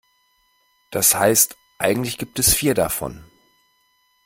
Das heißt, eigentlich gibt es vier davon.